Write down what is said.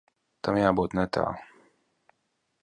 Tam jābūt netālu.